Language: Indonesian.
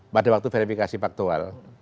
pada waktu verifikasi faktual